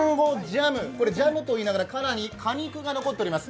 ジャムと言いながら、かなり果肉が残っております。